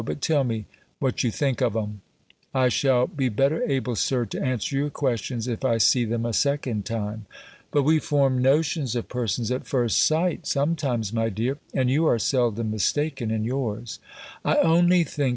But tell me, what you think of 'em?" "I shall be better able, Sir, to answer your questions, if I see them a second time." "But we form notions of persons at first sight, sometimes, my dear; and you are seldom mistaken in yours." "I only think.